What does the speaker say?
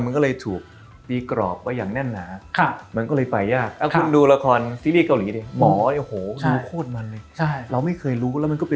มีแล้วก็อยากจะทำด้วยไม่รู้เขาจะให้ทำหรือเปล่า